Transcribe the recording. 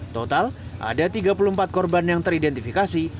total ada tiga puluh empat korban yang teridentifikasi